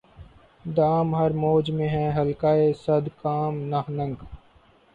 دام ہر موج میں ہے حلقۂ صد کام نہنگ